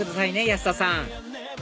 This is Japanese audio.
安田さん